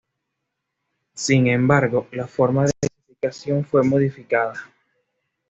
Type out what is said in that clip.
Sin embargo, la forma de clasificación fue modificada.